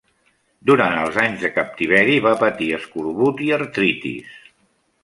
Durant els anys de captiveri va patir escorbut i artritis.